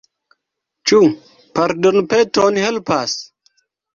Ĉu pardonpeton helpas?